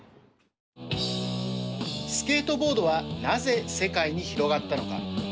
スケートボードはなぜ世界に広がったのか。